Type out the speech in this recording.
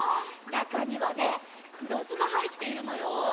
なかにはねくろずがはいっているのよ。